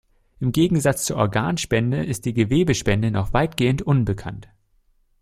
Im Gegensatz zur Organspende ist die Gewebespende noch weitgehend unbekannt.